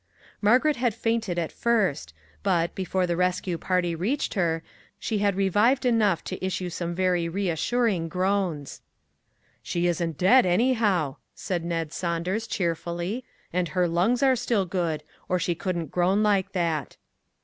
Margaret had fainted at first, but, before the rescue party reached her, she had revived enough to issue some very assuring groans. " She isn't dead, anyhow," said Ned Saun ders, cheerfully, " and her lungs are still good, or she couldn't groan like that."